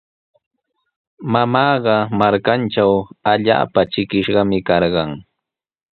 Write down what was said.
Mamaaqa markantraw allaapa trikishqami karqan.